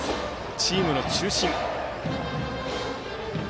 チームの中心。